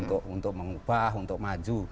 untuk mengubah untuk maju